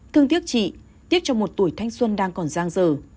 thương tiếc chị tiếc trong một tuổi thanh xuân đang còn giang dở